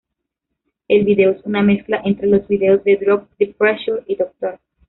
El video es una mezcla entre los videos de "Drop the Pressure" y "Dr.